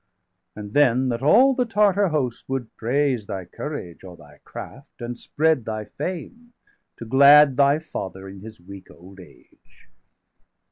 And then that all the Tartar host would praise Thy courage or thy craft, and spread thy fame, 535 To glad° thy father in his weak old age.